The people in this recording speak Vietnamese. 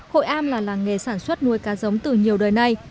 hội am là làng nghề sản xuất nuôi cá giống từ nhiều đời này